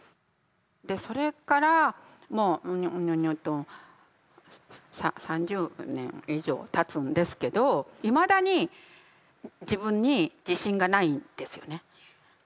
でそれからもう３０年以上たつんですけどいまだに自分に自信がないんですよね。